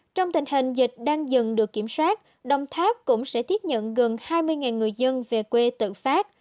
trong tình hình dịch đang dần được kiểm soát đồng tháp cũng sẽ tiếp nhận gần hai mươi người dân về quê tự phát